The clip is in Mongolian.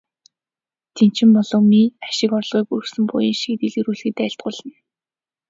Дэмчигмоломыг ашиг орлогыг өсгөн, буян хишгийг дэлгэрүүлэхэд айлтгуулна.